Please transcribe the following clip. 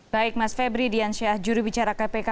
baik mas febri dian syah juru bicara kpk